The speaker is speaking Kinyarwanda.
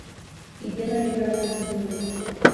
Igenamigambi ry igihugu